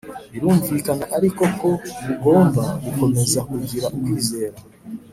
Birumvikana ariko ko mugomba gukomeza kugira ukwizera